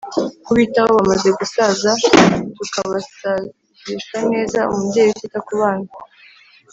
kubitaho bamaze gusaza tukabasazisha neza. umubyeyi utita ku bana